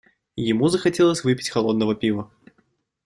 Ему захотелось выпить холодного пива.